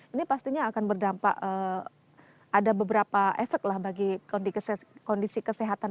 ini pastinya akan berdampak ada beberapa efek lah bagi kondisi kesehatan